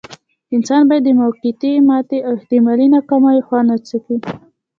انسان بايد د موقتې ماتې او احتمالي ناکاميو خوند وڅکي.